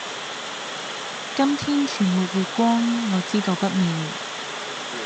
今天全沒月光，我知道不妙。